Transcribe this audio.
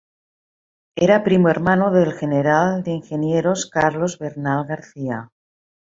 Era primo hermano del general de ingenieros Carlos Bernal García.